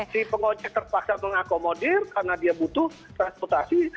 si pengojek terpaksa mengakomodir karena dia butuh transportasi